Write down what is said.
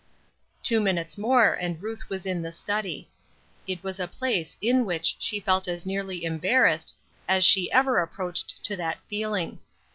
Two minutes more and Ruth was in the study. It was a place in which she felt as nearly embarrassed as she ever approached to that feeling.